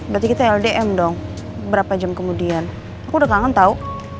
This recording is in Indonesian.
berarti kita ldm dong berapa jam kemudian aku udah kangen tahu